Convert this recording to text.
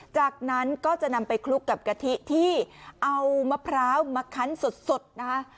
จากนั้นก็จะนำไปคลุกกับกะทิที่เอามะพร้าวมาคันสดนะคะ